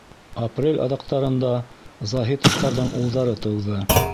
Апрель аҙаҡтарында Заһитовтарҙың улдары тыуҙы.